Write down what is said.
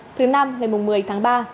thứ năm ngày một mươi tháng ba